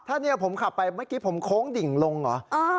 ถ้าเนี่ยผมขับไปเมื่อกี้ผมโค้งดิ่งลงเหรอ